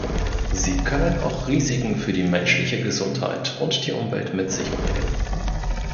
Sie können auch Risiken für die menschliche Gesundheit und die Umwelt mit sich bringen.